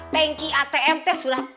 tengki atm teh sulap